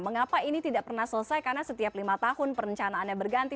mengapa ini tidak pernah selesai karena setiap lima tahun perencanaannya berganti